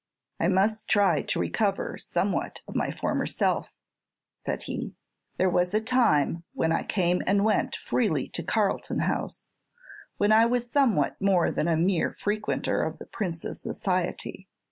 "I must try to recover somewhat of my former self," said he. "There was a time when I came and went freely to Carlton House, when I was somewhat more than a mere frequenter of the Prince's society.